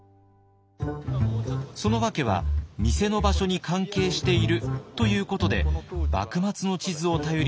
その訳は店の場所に関係しているということで幕末の地図を頼りに外へ。